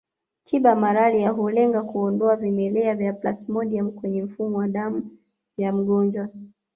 Tiba ya malaria hulenga kuondoa vimelea vya plasmodium kwenye mfumo wa damu ya mgonjwa